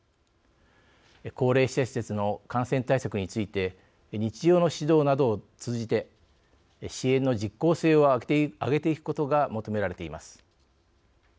高齢者施設の感染対策について日常の指導などを通じて支援の実効性を上げていくことが求められています。